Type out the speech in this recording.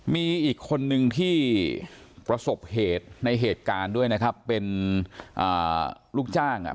มีอีกคนนึงที่ประสบเหตุในเหตุการณ์ด้วยนะครับเป็นอ่าลูกจ้างอ่ะ